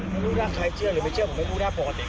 ไม่รู้น่าใครเชื่อหรือไม่เชื่อผมไม่รู้น่าบอกว่าเด็ก